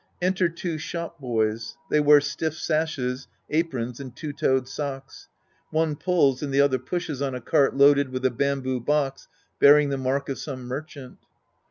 {Enter two Shop boys. They wear stiff sashes, aprons and two toed socks. One pulls and the other pushes on a cart loaded with a bamboo box bearing the mark of some merchant.)